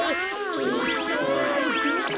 えっと